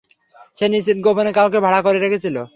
সে নিশ্চিত গোপনে কাউকে ভাড়া করে রেখেছিল।